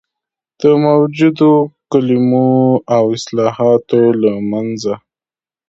د موجودو کلمو او اصطلاحاتو له منځه.